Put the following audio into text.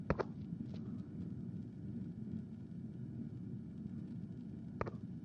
কেমন লাগছে, খুকি?